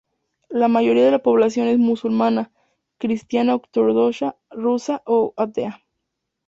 La mayoría de la población es musulmana, cristiana ortodoxa rusa o atea.